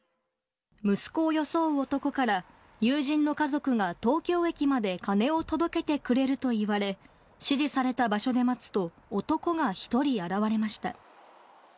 息子を装う男から、友人の家族が東京駅まで金を届けてくれると言われ、指示された場所で待つと、男が１人現れました。